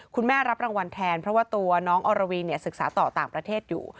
รับรางวัลแทนเพราะว่าตัวน้องอรวีศึกษาต่อต่างประเทศอยู่